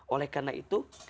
oleh karena itu